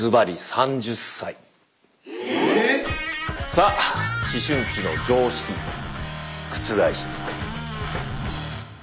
⁉さあ思春期の常識覆しにいこう。